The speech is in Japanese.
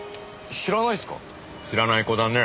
知らない子だねぇ。